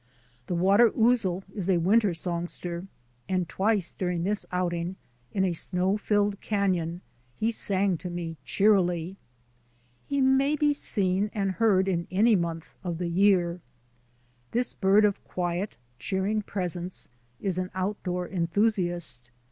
The water ouzel is a winter songster, and twice during this outing, in a snow filled canon, he sang to me cheerily. He may be seen and heard in any month of the year. This bird of quiet, cheering presence is an outdoor enthusiast.